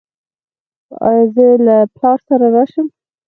ایا زه له پلار سره راشم؟